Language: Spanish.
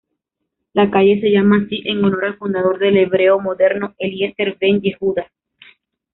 La calle se llama así en honor al fundador del hebreo moderno, Eliezer Ben-Yehuda.